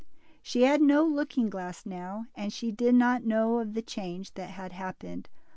She had no looking glass now, and she did not know of the change that had happened.